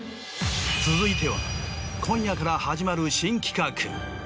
続いては今夜から始まる。